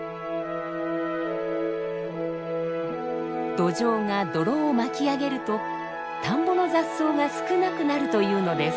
ドジョウが泥を巻き上げると田んぼの雑草が少なくなるというのです。